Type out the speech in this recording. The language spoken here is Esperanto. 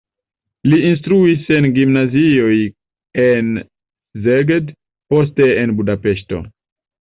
Li instruis en gimnazioj en Szeged, poste en Budapeŝto.